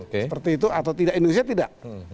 seperti itu atau tidak indonesia tidak